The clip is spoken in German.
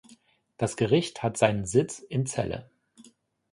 Das Gericht hat seinen Sitz in Celle.